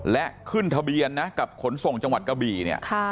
และขึ้นทะเบียนนะกับขนส่งจังหวัดกะบี่เนี่ย